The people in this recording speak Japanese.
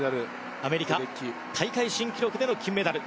アメリカ大会新記録での金メダル。